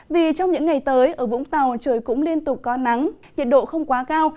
vì trong những ngày tới ở vũng tàu trời cũng liên tục có nắng nhiệt độ không quá cao